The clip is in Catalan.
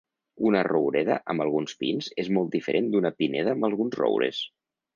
Una roureda amb alguns pins és molt diferent d’una pineda amb alguns roures.